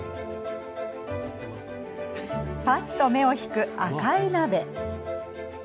ぱっと目を引く赤い鍋。